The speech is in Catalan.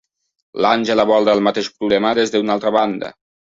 L'Àngel aborda el mateix problema des d'una altra banda.